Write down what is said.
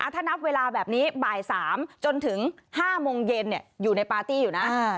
ถ้านับเวลาแบบนี้บ่าย๓จนถึง๕โมงเย็นอยู่ในปาร์ตี้อยู่นะ